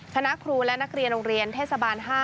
คณะครูและนักเรียนโรงเรียนเทศบาล๕